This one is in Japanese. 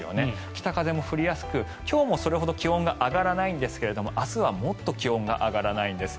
北風も吹きやすく今日もそれほど気温が上がらないんですが明日はもっと気温が上がらないんです。